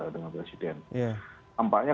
dengan presiden tampaknya